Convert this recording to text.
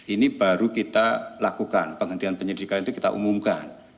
ini baru kita lakukan penghentian penyidikan itu kita umumkan